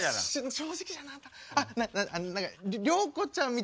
正直じゃなあんた。